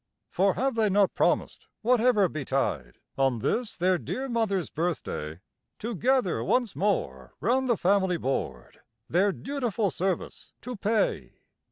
For have they not promised, whatever betide, On this their dear mother's birthday, To gather once more round the family board, Their dutiful service to pay?